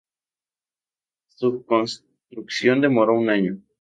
Su construcción demoró un año.